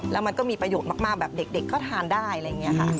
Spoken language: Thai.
แล้วมันก็มีประโยชน์มากแบบเด็กก็ทานได้อะไรอย่างนี้ค่ะ